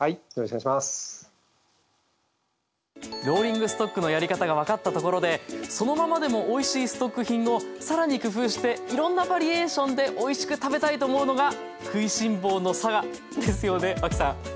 ローリングストックのやり方が分かったところでそのままでもおいしいストック品を更に工夫していろんなバリエーションでおいしく食べたいと思うのが食いしん坊の性ですよね脇さん。